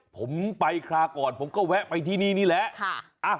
ผมไปคราวก่อนผมก็แวะไปที่นี่นี่แหละ